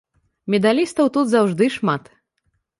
Медалістаў тут заўжды шмат.